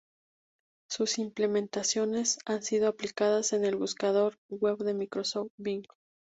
Sus implementaciones han sido aplicadas en el buscador web de Microsoft Bing.